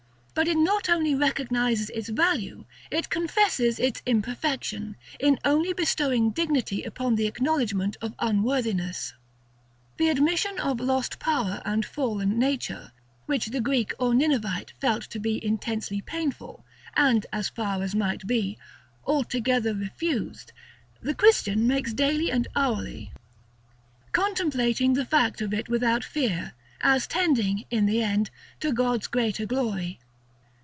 But it not only recognizes its value; it confesses its imperfection, in only bestowing dignity upon the acknowledgment of unworthiness. That admission of lost power and fallen nature, which the Greek or Ninevite felt to be intensely painful, and, as far as might be, altogether refused, the Christian makes daily and hourly, contemplating the fact of it without fear, as tending, in the end, to God's greater glory.